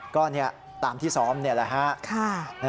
ก็ตามที่ซ้อมนี่แหละฮะ